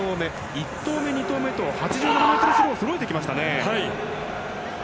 １投目、２投目と８７ｍスローをそろえてきました。